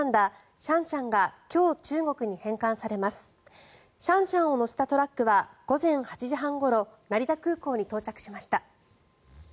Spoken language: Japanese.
シャンシャンを乗せたトラックは午前８時半ごろ成田空港に到着しました。